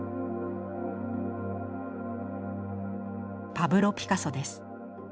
パブロ・ピカソです。